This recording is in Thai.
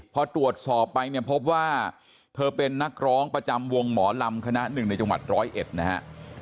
พอตรวจสอบไปเนี่ยพบว่าเธอเป็นนักร้องประจำวงหมอลำคณะหนึ่งในจังหวัดร้อยเอ็ดนะฮะ